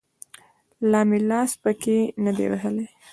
لا مې لاس پکښې نه دى وهلى.